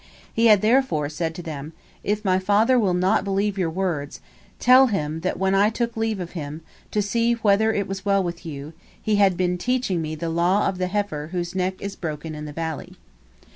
He had therefore said to them, "If my father will not believe your words, tell him that when I took leave of him, to see whether it was well with you, he had been teaching me the law of the heifer whose neck is broken in the valley."